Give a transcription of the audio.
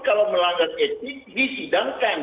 kalau melanggar etik disidangkan